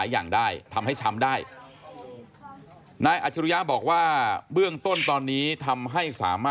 ร้องร้องร้องร้องร้องร้องร้องร้อง